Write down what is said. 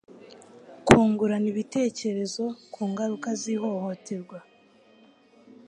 Kungurana ibitekerezo ku ngaruka z'ihohoterwa